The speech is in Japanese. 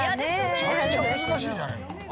めちゃくちゃ難しいじゃないの。